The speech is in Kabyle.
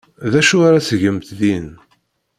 D acu ara tgemt din?